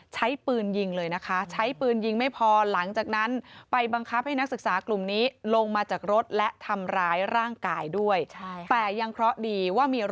ใช้ปืนยิงเลยนะคะใช้ปืนยิงไม่พอหลังจากนั้นไปบังคับให้นักศึกษากลุ่มนี้